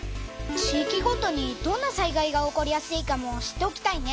地いきごとにどんな災害が起こりやすいかも知っておきたいね。